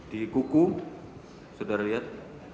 di kuku sudara lihat